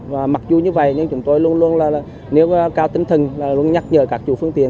và mặc dù như vậy nhưng chúng tôi luôn luôn là nêu cao tinh thần luôn nhắc nhở các chủ phương tiện